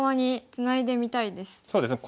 そうですね